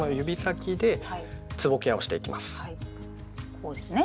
こうですね。